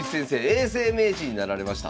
永世名人になられました。